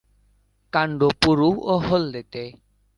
কাণ্ড পুরু ও হলদেটে।